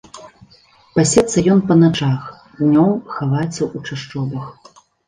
Пасецца ён па начах, днём хаваецца ў чашчобах.